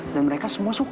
dan mereka semua suka